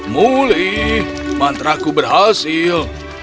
mulih mantra ku berhasil